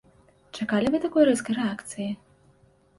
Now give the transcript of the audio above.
Чакалі вы такой рэзкай рэакцыі?